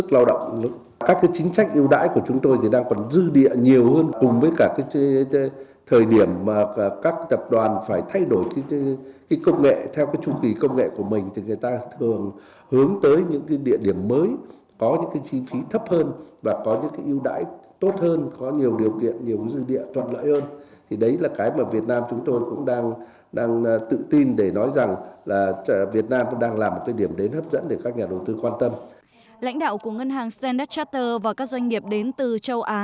lãnh đạo của ngân hàng standard charter và các doanh nghiệp đến từ châu á